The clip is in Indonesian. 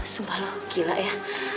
sumpah lo gila ya